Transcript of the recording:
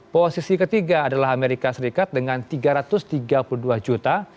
posisi ketiga adalah amerika serikat dengan tiga ratus tiga puluh dua juta